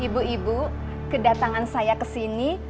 ibu ibu kedatangan saya ke sini